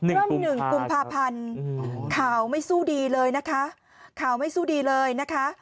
เริ่มหนึ่งกุมภาพันธ์ข่าวไม่สู้ดีเลยนะคะข่าวไม่สู้ดีเลยนะคะ